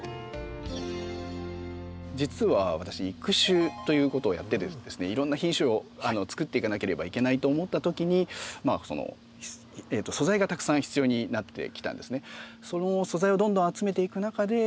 実は私育種ということをやっててですねいろんな品種をつくっていかなければいけないと思ったときに素材がたくさん必要になってきたんですね。